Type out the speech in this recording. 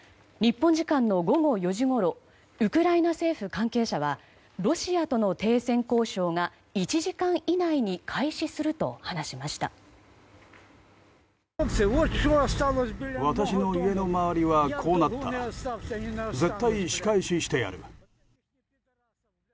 日本時間の午後４時ごろウクライナ政府関係者はロシアとの停戦交渉が１時間以内に開始すると話しました。